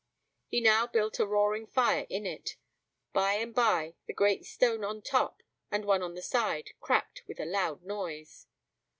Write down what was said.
He now built a roaring fire in it. By and by the great stone on top, and one on the side, cracked with a loud noise.